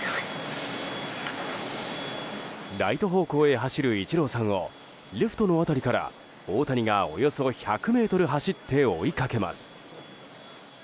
ライト方向へ走るイチローさんをレフトの辺りから大谷がおよそ１００ｍ走って追いかけます。